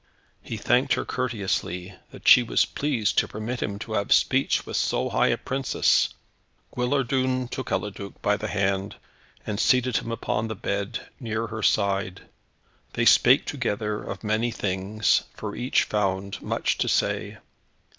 He thanked her courteously, that she was pleased to permit him to have speech with so high a princess. Guillardun took Eliduc by the hand, and seated him upon the bed, near her side. They spake together of many things, for each found much to say.